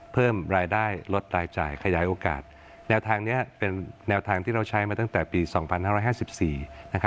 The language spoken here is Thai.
เพิ่มรายได้ลดรายจ่ายขยายโอกาสแนวทางนี้เป็นแนวทางที่เราใช้มาตั้งแต่ปี๒๕๕๔